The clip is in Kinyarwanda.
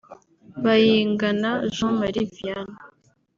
Bayingana Jean Marie Vianey